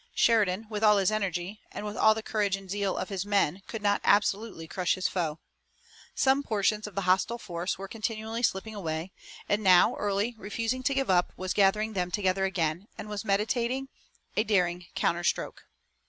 Sheridan, with all his energy, and with all the courage and zeal of his men could not absolutely crush his foe. Some portions of the hostile force were continually slipping away, and now Early, refusing to give up, was gathering them together again, and was meditating a daring counter stroke.